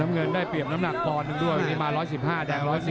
น้ำเงินได้เปรียบน้ำหนักปอนด์ด้วยมา๑๑๕แต่๑๑๔